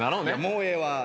もうええわ。